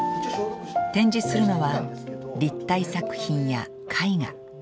展示するのは立体作品や絵画。